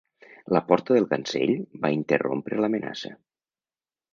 La porta del cancell va interrompre l'amenaça.